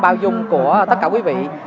bao dung của tất cả quý vị